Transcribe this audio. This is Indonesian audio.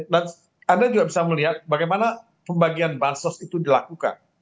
anda juga bisa melihat bagaimana pembagian bansos itu dilakukan